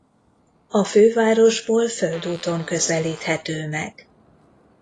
A fővárosból földúton közelíthető meg.